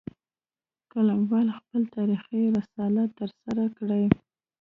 قلموال خپل تاریخي رسالت ترسره کړي